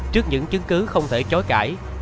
trước những chứng cứ không thể chối cãi